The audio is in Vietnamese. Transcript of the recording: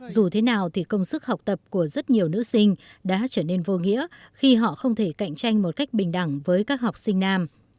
dù thế nào thì công sức học tập của rất nhiều nữ sinh đã trở nên vô nghĩa khi họ không thể cạnh tranh một cách bình đẳng với các học sinh nam